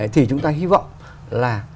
thì chúng ta hy vọng là